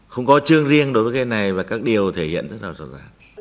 không có chương riêng đối với cái này và các điều thể hiện rất là rõ ràng